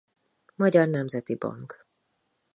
Magyar Nemzeti Bank